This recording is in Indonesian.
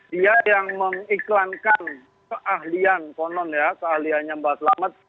dia yang mengiklankan keahlian konon ya keahliannya mbak selamat